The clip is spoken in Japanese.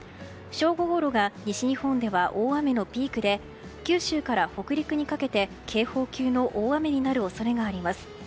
正午ごろが西日本が大雨のピークで九州から北陸にかけて警報級の大雨になる恐れがあります。